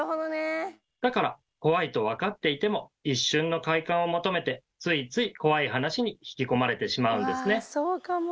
だから怖いと分かっていても一瞬の快感を求めてついつい怖い話に引き込まれてしまうんですね。